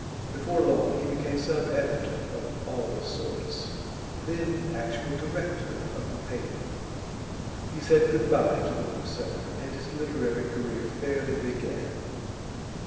Before long he became sub editor of All Sorts, then actual director of the paper. He said good bye to the bookseller, and his literary career fairly began.